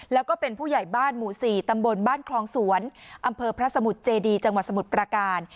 แล้วก็เป็นผู้ใหญ่บ้านหมู่๔ตำบลบ้านคลองสวนอำเภอพระสมุทรเจดีจังหวัดสมุทรประการ